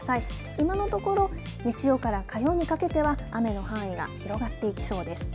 今のところ日曜から火曜にかけては雨の範囲が広がってきそうです。